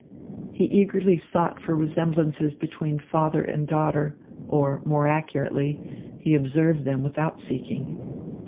He eagerly sought for resemblances between father and daughter, or, more accurately, he observed them without seeking.